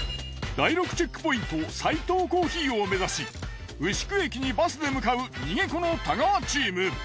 第６チェックポイントサイトウコーヒーを目指し牛久駅にバスで向かう逃げ子の太川チーム。